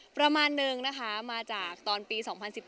ประมาณนึงนะคะมาจากตอนปี๒๐๑๘